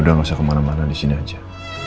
udah gak usah kemana mana disini aja